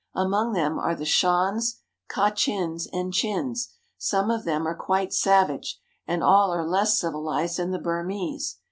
Among them are the Shans, Kachins, and Chins; some of them are quite savage, and all are less civilized than the Burmese.